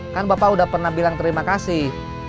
kan bapak udah pernah bilang terima kasih